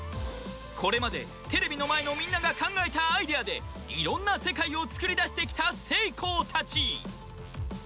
これまでテレビのまえのみんながかんがえたアイデアでいろんなせかいをつくりだしてきたセイコーたち。